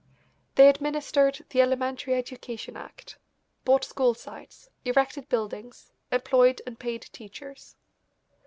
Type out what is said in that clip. They administered the Elementary Education Act, bought school sites, erected buildings, employed and paid teachers.